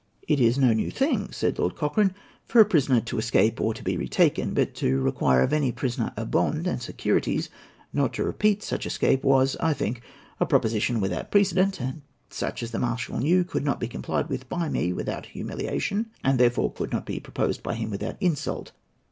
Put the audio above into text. "It is no new thing," said Lord Cochrane, "for a prisoner to escape or to be retaken; but to require of any prisoner a bond and securities not to repeat such escape was, I think, a proposition without precedent, and such as the marshal knew could not be complied with by me without humiliation, and therefore could not be proposed by him without insult.